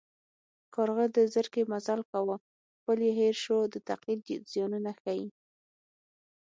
کارغه د زرکې مزل کاوه خپل یې هېر شو د تقلید زیانونه ښيي